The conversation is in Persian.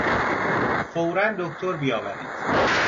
فورا دکتر بیاورید!